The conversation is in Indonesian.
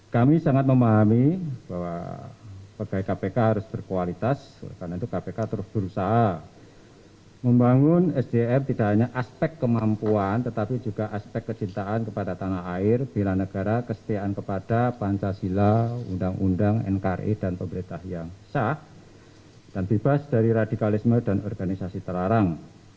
kami sangat memahami bahwa pegawai kpk harus berkualitas karena itu kpk terus berusaha membangun sdm tidak hanya aspek kemampuan tetapi juga aspek kecintaan kepada tanah air bila negara kesetiaan kepada pancasila undang undang nkri dan pemerintah yang sah dan bebas dari radikalisme dan organisasi terlarang